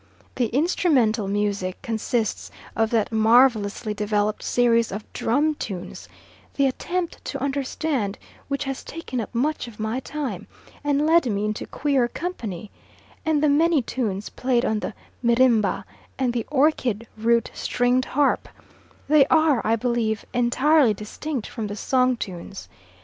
The instrumental music consists of that marvellously developed series of drum tunes the attempt to understand which has taken up much of my time, and led me into queer company and the many tunes played on the 'mrimba and the orchid root stringed harp: they are, I believe, entirely distinct from the song tunes.